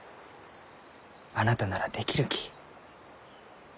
あなたならできるき。